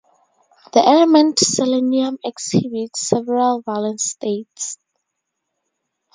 The element selenium exhibits several valence states.